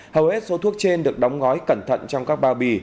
hầu hết số thuốc trên được đóng gói cẩn thận trong các bao bì